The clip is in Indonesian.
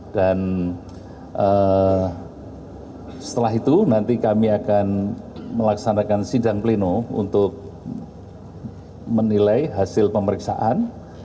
dan setelah itu nanti kami akan melaksanakan sidang pleno untuk menilai hasil pemeriksaan